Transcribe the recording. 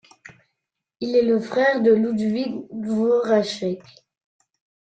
Il est le frère de Ludvík Dvořáček.